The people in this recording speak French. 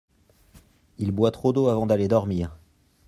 Il boit trop d’eau avant d’aller dormir.